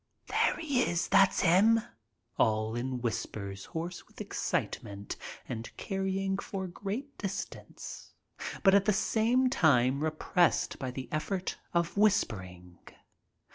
"There he is." "That's 'im." All in whispers hoarse with excitement and carrying for great distance, but at the same time repressed by the effort of whispering.